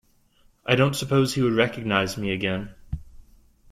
I don’t suppose he would recognise me again.